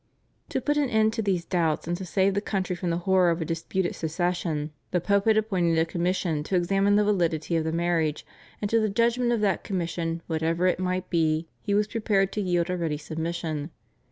To put an end to these doubts, and to save the country from the horror of a disputed succession, the Pope had appointed a commission to examine the validity of the marriage; and to the judgment of that commission whatever it might be he was prepared to yield a ready submission.